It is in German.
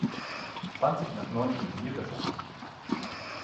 Zwanzig nach neun würde mir besser passen.